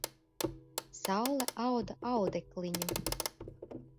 Saule auda audekliņu